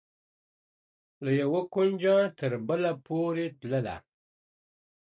له یوه کونجه تر بله پوري تلله.